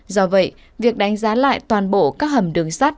do vậy việc đánh giá lại toàn bộ các hầm đường sắt